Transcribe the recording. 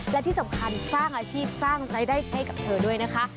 และที่สำคัญสร้างอาชีพสร้างรายได้ให้กับเธอด้วยนะคะ